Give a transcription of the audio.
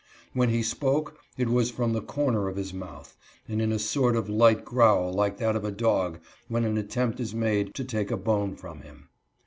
When he spoke, it was from the corner of his mouth, and in a sort of light growl like that of a dog when an attempt is made to take a bone from him.